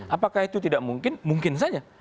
apakah itu tidak mungkin mungkin saja